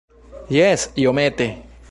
Jes, iomete.